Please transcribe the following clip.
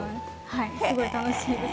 はいすごい楽しいです。